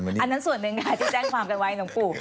อันนั้นส่วนหนึ่งค่ะที่แจ้งความกันไว้หลวงปู่